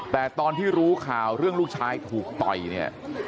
แต่ตอนที่รู้ข่าวเรื่องลูกชายถูกต่อยเนี่ย